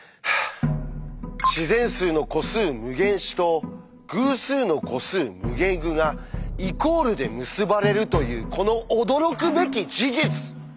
自然数の個数「∞自」と偶数の個数「∞ぐ」がイコールで結ばれるというこの驚くべき事実！